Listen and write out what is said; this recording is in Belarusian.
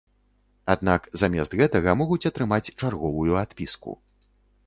Аднак замест гэтага могуць атрымаць чарговую адпіску.